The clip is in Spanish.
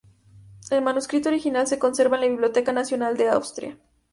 El manuscrito original se conserva en la Biblioteca Nacional de Austria.